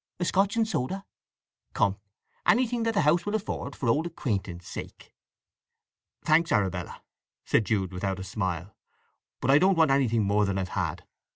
A Scotch and soda? Come, anything that the house will afford, for old acquaintance' sake!" "Thanks, Arabella," said Jude without a smile. "But I don't want anything more than I've had."